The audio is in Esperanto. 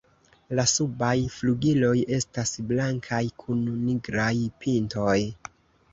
La subaj flugiloj estas blankaj kun nigraj pintoj.